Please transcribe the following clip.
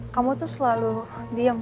kamu tuh selalu diem